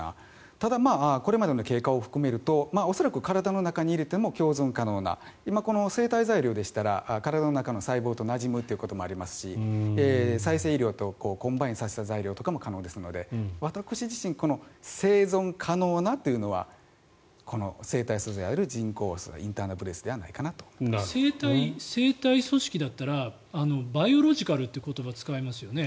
ただ、これまでの経過を含めると体の中に入れても共存可能な生体材料でしたら体の中の細胞となじむということもありますし再生医療とコンバインさせた材料も可能ですので、私自身生存可能なというのは生体素材である人工素材インターナル・ブレース生体組織だったらバイオロジカルという言葉使いますよね。